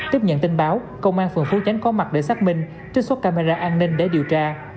tiếp nhận tin báo công an phường phú chánh có mặt để xác minh trích xuất camera an ninh để điều tra